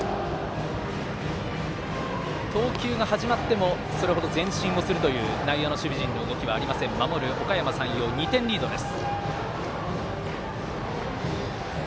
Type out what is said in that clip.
投球が始まってもそれほど前進をするという内野の守備陣の動きはありません守る、おかやま山陽２点リードです。